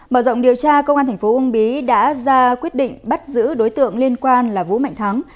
mở rộng điều tra công an thành phố uông bí đã ra quyết định bắt giữ đối tượng liên quan là vũ mạnh thắng